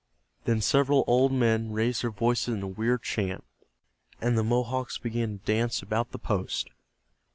Then several old men raised their voices in a weird chant, and the Mohawks began to dance about the post.